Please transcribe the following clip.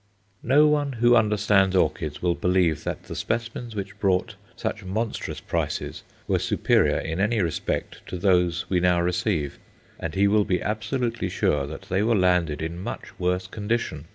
No one who understands orchids will believe that the specimens which brought such monstrous prices were superior in any respect to those we now receive, and he will be absolutely sure that they were landed in much worse condition.